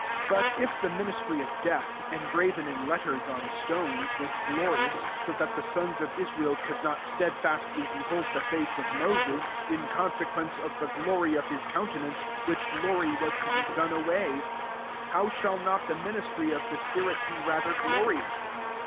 7 But if the ministry of ieath, engraven in letters [on] itones, was glorious, so that he sons of Israel could not tedfastly behold the face of VIoses, in consequence of the ;lory of his countenance, which iory was to be done away ; 8 low shall not the ministry of he spirit be rather glorious